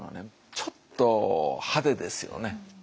ちょっと派手ですよね。